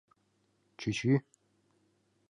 Чу-чу!